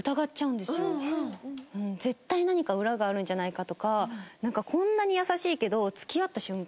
絶対何か裏があるんじゃないかとかこんなに優しいけど付き合った瞬間